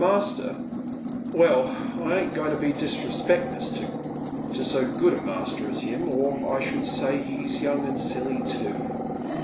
223 master — welf, I ain't goine: to be disrespecttious to so good a master as him, or I eliould say he's young and silly too."